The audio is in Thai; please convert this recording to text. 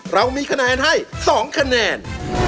เรามีคะแนนให้๒คะแนน